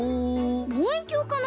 ぼうえんきょうかな？